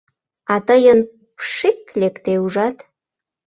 А тыйын пш-ш-шик лекте, ужат?